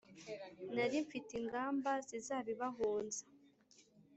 nari mfite ingamba zizabibahunza!